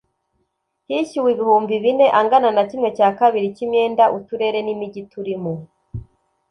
Hishyuwe ibihumbi bine angana na kimwe cya kabiri y imyenda Uturere n Imijyi turimo